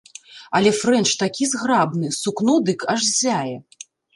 Але фрэнч такі зграбны, сукно дык аж ззяе.